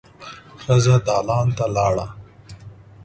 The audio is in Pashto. ښځه دالان ته لاړه.